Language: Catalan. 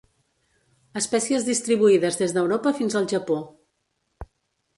Espècies distribuïdes des d'Europa fins al Japó.